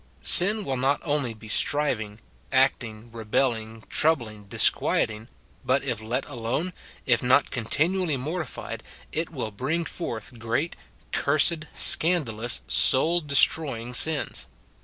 Sin will not only be striving, acting, rebelling, troubling, disquieting, but if let alone, if not continually mortified, it will bring forth great, cursed, scandalous, soul destroying sins.